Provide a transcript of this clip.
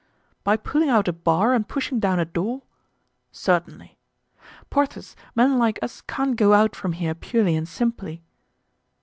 "By pulling out a bar and pushing down a door?" "Certainly." "Porthos, men like us can't go out from here purely and simply."